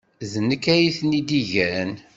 D nekk ay ten-id-igan.